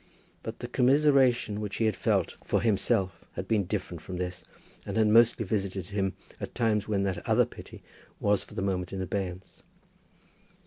But the commiseration which he had felt for himself had been different from this, and had mostly visited him at times when that other pity was for the moment in abeyance.